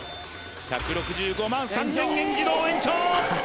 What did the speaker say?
１６５万３０００円自動延長！